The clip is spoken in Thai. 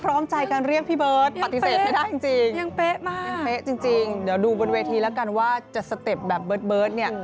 เป๊ะจริงเดี๋ยวดูบนเวทีแล้วกันว่าจะสเต็ปแบบเบิร์ดนี่